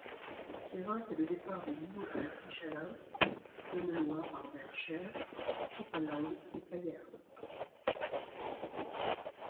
Thierrens est le départ des lignes vers Échallens, Donneloye par Bercher, Épalinges et Payerne.